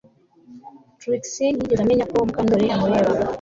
Trix ntiyigeze amenya ko Mukandoli amureba